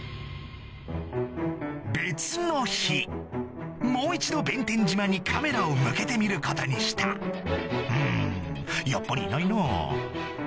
別の日もう一度弁天島にカメラを向けてみることにしたうんやっぱりいないなん？